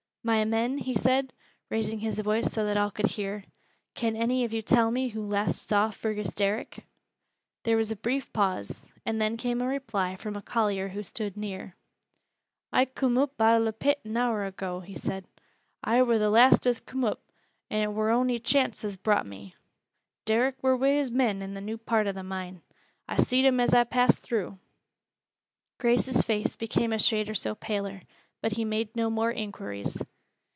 "My men," he said, raising his voice so that all could hear, "can any of you tell me who last saw Fergus Derrick?" There was a brief pause, and then came a reply from a collier who stood near. "I coom up out o' th' pit an hour ago," he said, "I wur th' last as coom up, an' it wur on'y chance as browt me. Derrick wur wi' his men i' th' new part o' th' mine. I seed him as I passed through." Grace's face became a shade or so paler, but he made no more inquiries.